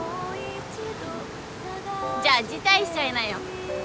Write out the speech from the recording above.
じゃあ辞退しちゃいなよ。